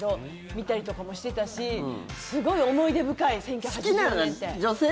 見たりとかもしてたしすごい思い出深い、１９８４年。